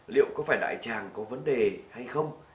liệu có phải đại tràng có vấn đề hay không